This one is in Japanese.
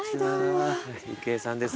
郁恵さんです。